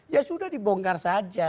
ya sudah dibongkar saja